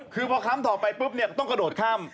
คือพอคล้ำต่อไปปุ๊บเนี่ยต้องกระโดดข้าม